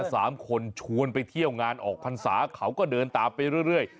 สามคนชวนไปเที่ยวงานออกพรรษาเขาก็เดินตามไปเรื่อย